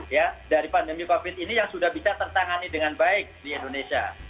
ya dari pandemi covid ini yang sudah bisa tertangani dengan baik di indonesia